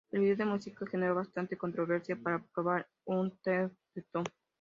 El vídeo de música generó bastante controversia para provocar un tweet de Tom.